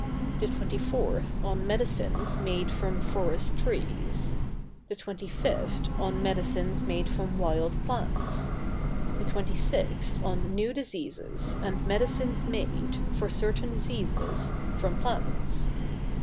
The 24th on Medicines made from Forest Trees. The 25th on Medicines made from Wild Plants. The 26th on New Diseases, and Medicines made, for certain Diseases, from Plants.